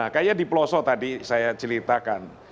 kayak di pelosok tadi saya ceritakan